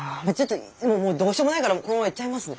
もうどうしようもないからこのままやっちゃいますね。